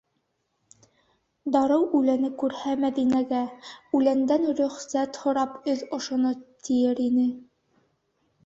Дарыу үләне күрһә, Мәҙинәгә: «Үләндән рөхсәт һорап, өҙ ошоно!» - тиер ине.